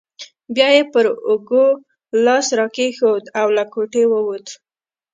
بیا یې پر اوږه لاس راکښېښود او له کوټې ووت.